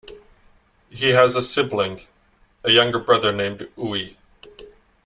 He has a sibling, a younger brother named Uwe.